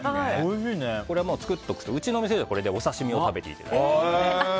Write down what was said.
これは作っておくとうちの店では、これでお刺し身を食べていただいたり。